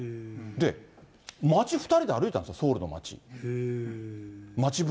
で、街２人で歩いたんですよ、ソウルの街を。